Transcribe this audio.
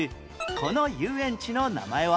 この遊園地の名前は？